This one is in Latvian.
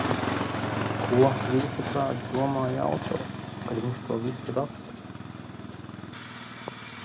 Ko, jūsuprāt, domāja autors, kad viņš to visu rakstīja?